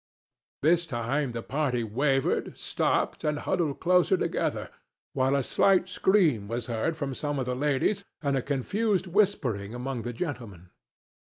This time the party wavered, stopped and huddled closer together, while a slight scream was heard from some of the ladies and a confused whispering among the gentlemen.